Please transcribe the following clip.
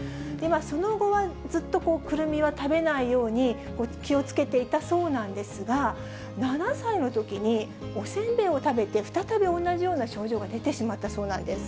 その後はずっと、くるみは食べないように気をつけていたそうなんですが、７歳のときに、おせんべいを食べて、再び同じような症状が出てしまったそうなんです。